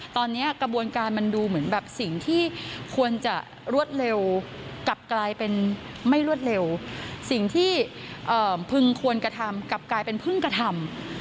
ตอนนี้กระบวนการมันดูเหมือนแบบสิ่งที่ควรจะรวดเร็วกลับกลายเป็นไม่รวดเร็วสิ่งที่พึงควรกระทำกลับกลายเป็นพึ่งกระทำ